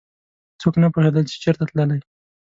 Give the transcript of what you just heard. څوک نه پوهېدل چې چېرته تللی.